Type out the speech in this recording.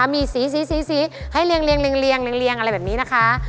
มีสีให้เรียงอะไรแบบนี้นะคะ